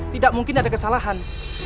tidak mungkin ada kesalahan